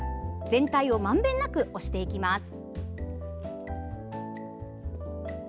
全体をまんべんなく押していきます。